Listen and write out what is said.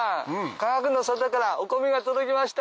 かがくの里からお米が届きました。